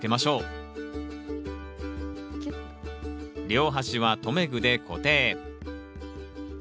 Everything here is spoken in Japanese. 両端は留め具で固定。